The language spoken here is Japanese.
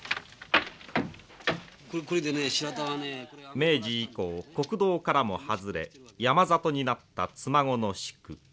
明治以降国道からも外れ山里になった妻籠宿。